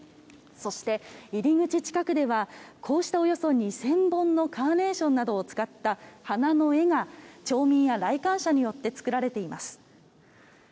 そして、入り口近くではこうしたおよそ２０００本のカーネーションなどを使った花の絵が、町民や来館者によって作られています。